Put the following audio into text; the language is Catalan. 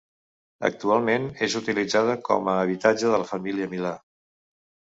Actualment és utilitzada com a habitatge de la família Milà.